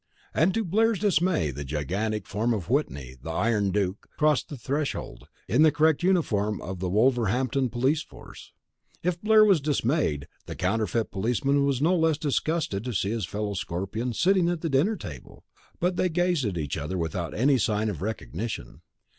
And to Blair's dismay the gigantic form of Whitney, the Iron Duke, crossed the threshold, in the correct uniform of the Wolverhampton police force. If Blair was dismayed, the counterfeit policeman was no less disgusted to see his fellow Scorpion sitting at the dinner table, but they gazed at each other without any sign of recognition.